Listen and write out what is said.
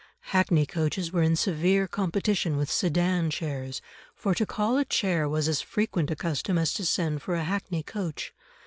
Hackney coaches were in severe competition with sedan chairs, for to call a chair was as frequent a custom as to send for a hackney coach.